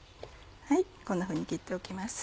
こんなふうに切っておきます。